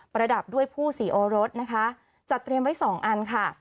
ระดับด้วยผู้สีโอรสนะคะจัดเตรียมไว้๒อันค่ะ